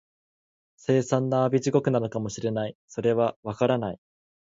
凄惨な阿鼻地獄なのかも知れない、それは、わからない